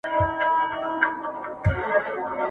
ملنګه ! تور د سترګو وایه څرنګه سپینېږي ..